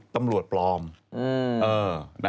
ตำรวจปลอมเออ